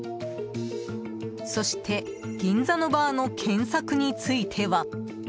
そして銀座のバーの検索については。